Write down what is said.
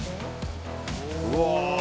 うわ！